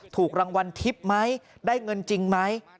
ถูกรางวัลทิพย์ไหมได้เงินจริงไหม